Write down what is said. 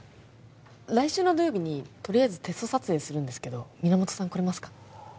来週の土曜日にとりあえずテスト撮影するんですけど源さん来れますか？